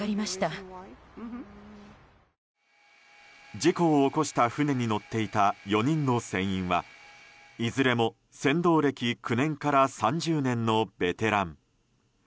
事故を起こした船に乗っていた４人の船員はいずれも船頭歴９年から３０年のベテラン。